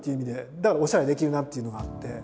だからおしゃれできるなっていうのがあって。